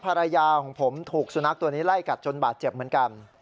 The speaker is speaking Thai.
ภรรยาของผมถูกสุนัขตัวนี้ไล่กัดจนบาดเจ็บเหมือนกัน